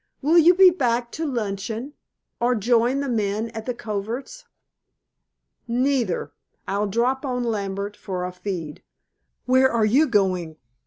"Will you be back to luncheon, or join the men at the coverts?" "Neither. I'll drop on Lambert for a feed. Where are you going?"